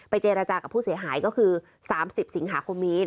เจรจากับผู้เสียหายก็คือ๓๐สิงหาคมนี้